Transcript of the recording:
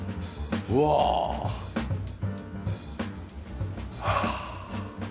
うわあ！はあ。